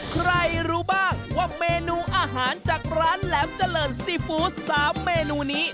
ใครรู้บ้างว่าเมนูอาหารจากร้านแหลมเจริญซีฟู้ด๓เมนูนี้